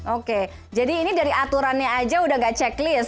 oke jadi ini dari aturannya aja udah gak checklist